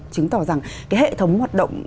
chứng tỏ rằng cái hệ thống hoạt động